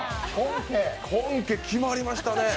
本家、決まりましたね。